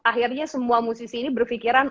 akhirnya semua musisi ini berpikiran